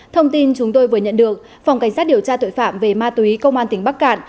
thông tin chúng tôi vừa nhận được phòng cảnh sát điều tra tội phạm về ma túy công an tỉnh bắc cạn